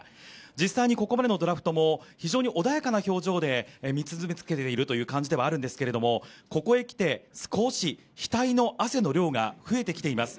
実際に、ここまでのドラフトも非常に穏やかな表情で見続けているという感じではあるんですけれども、ここへきて少し、額の汗の量が増えてきています。